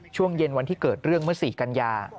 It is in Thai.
ช่วงเย็นวันที่เกิดเรื่องเมื่อ๔กันยา